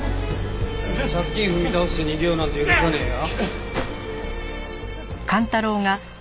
借金踏み倒して逃げようなんて許さねえよ？